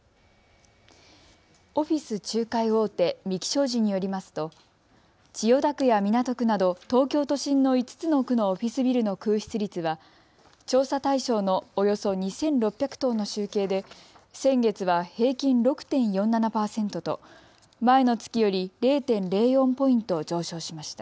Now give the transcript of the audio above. オフィス仲介大手、三鬼商事によりますと千代田区や港区など、東京都心の５つの区のオフィスビルの空室率は調査対象のおよそ２６００棟の集計で先月は平均６．４７％と前の月より０．０４ポイント上昇しました。